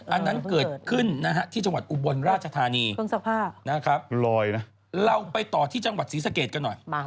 อันนั้นเกิดขึ้นนะฮะที่จังหวัดอุบลราชธานีนะครับเราไปต่อที่จังหวัดศรีสะเกดกันหน่อย